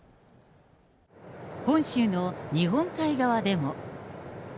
本州の日本海側でも。